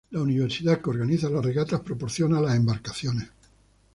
La universidad que organiza las regatas proporciona las embarcaciones.